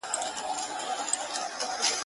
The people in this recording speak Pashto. د ژوندون ساز كي ائينه جوړه كړي.